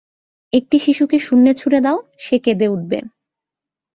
একটি শিশুকে শূন্যে ছুঁড়ে দাও, সে কেঁদে উঠবে।